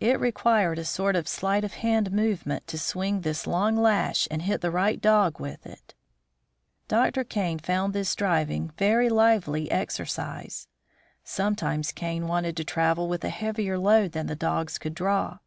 It required a sort of " sleight of hand " move ment to swing this long lash and hit the right dog with it. Dr. Kane found this driving very lively exercise. Sometimes Kane wanted to travel with a heavier load than the dogs could draw.